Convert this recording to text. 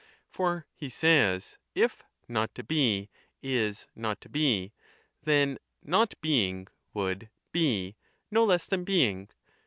For, he says, if Not to Be is Not to Bc, then 25 Not being would be no less than Being.